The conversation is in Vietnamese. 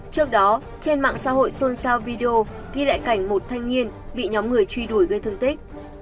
trước đó trên mạng xã hội xôn xao video ghi lại cảnh một thanh niên bị nhóm người truy đuổi gây thương tích